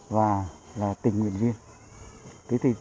và là tình nguyện viên